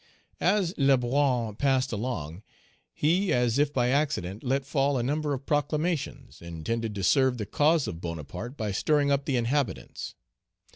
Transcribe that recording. As Lebrun passed along, he, as if by accident, let fall a number of proclamations, intended to serve the cause of Bonaparte by stirring up the inhabitants.